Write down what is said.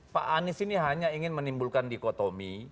pak anies ini hanya ingin menimbulkan dikotomi